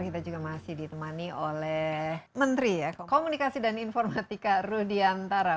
kita juga masih ditemani oleh menteri komunikasi dan informatika rudiantara